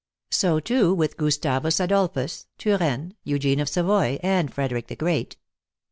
So, too, with Gustavus Adolphus, Turenne, Eugene of Savoy, and Frederick the Great.